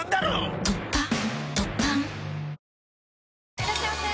いらっしゃいませ！